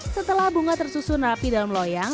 setelah bunga tersusun rapi dalam loyang